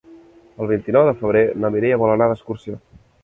El vint-i-nou de febrer na Mireia vol anar d'excursió.